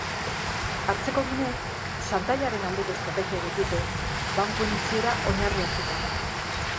Hartzekodunek xantaiaren aldeko estrategia egin dute, bankuen itxiera oinarri hartuta.